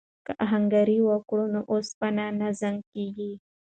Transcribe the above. که آهنګري وکړو نو اوسپنه نه زنګ کیږي.